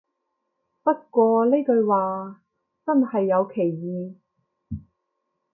不過呢句話真係有歧義